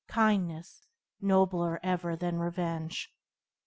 "Kindness, nobler ever than revenge."